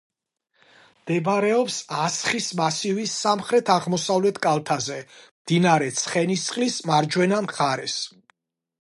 მდებარეობს ასხის მასივის სამხრეთ-აღმოსავლეთ კალთაზე, მდინარე ცხენისწყლის მარჯვენა მხარეს.